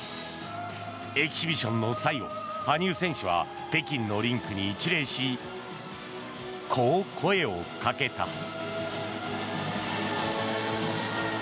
エキシビションの最後羽生選手は北京のリンクに一礼しこう声をかけた。